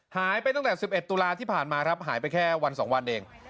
หายไปตั้งแต่๑๑ตุลาที่ผ่านมาครับหายไปแค่วัน๒วันเอง